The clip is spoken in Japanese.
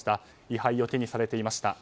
位牌を手にされていました。